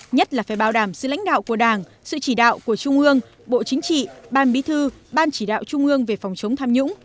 nhất là phải bảo đảm sự lãnh đạo của đảng sự chỉ đạo của trung ương bộ chính trị ban bí thư ban chỉ đạo trung ương về phòng chống tham nhũng